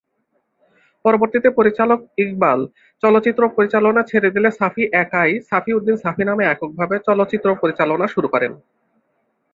পরবর্তীতে পরিচালক ইকবাল চলচ্চিত্র পরিচালনা ছেড়ে দিলে সাফি একাই "সাফি উদ্দিন সাফি" নামে এককভাবে চলচ্চিত্র পরিচালনা শুরু করেন।